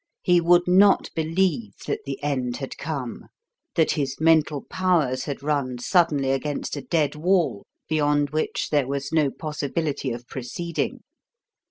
He would not believe that the end had come, that his mental powers had run suddenly against a dead wall beyond which there was no possibility of proceeding.